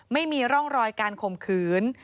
ไม่มีร่องรอยการข่มขืน